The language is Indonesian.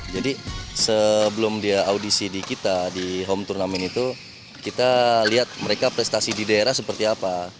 jadi sebelum dia audisi di kita di home turnamen itu kita lihat mereka prestasi di daerah seperti apa